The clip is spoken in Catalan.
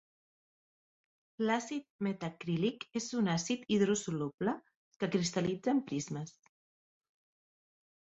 L'àcid metacrílic és un àcid hidrosoluble que cristal·litza en prismes.